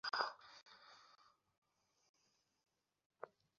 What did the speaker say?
বিচারকের পাশাপাশি তিন বছর ধরে চট্টগ্রামের দুটি শ্রম আদালতে রেজিস্ট্রারও নেই।